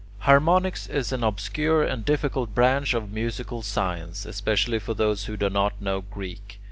Harmonics is an obscure and difficult branch of musical science, especially for those who do not know Greek.